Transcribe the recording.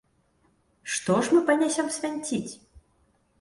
Што ж мы панясём свянціць?